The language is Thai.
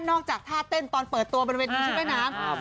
นอกจากท่าเต้นตอนเปิดตัวบนเวทีชุดแม่น้ำ